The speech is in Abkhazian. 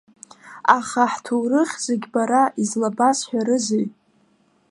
Аха ҳҭоурых зегьы бара излабасҳәарызеи.